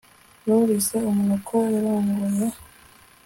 Numvise umuntu ko yarongoye